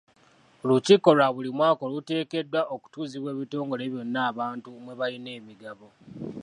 Olukiiko olwa buli mwaka oluteekeddwa okutuuzibwa ebitongole byonna abantu mwe balina emigabo.